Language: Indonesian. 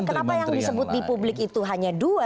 kenapa yang disebut di publik itu hanya dua